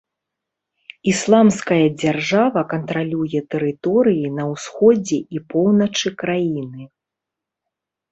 Ісламская дзяржава кантралюе тэрыторыі на ўсходзе і поўначы краіны.